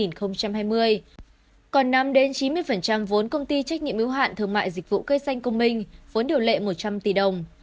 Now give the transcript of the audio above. nữ doanh nhân này tính đến tháng sáu năm hai nghìn hai mươi còn năm chín mươi vốn công ty trách nhiệm ứng hạn thương mại dịch vụ cây xanh cung minh vốn điều lệ một trăm linh tỷ đồng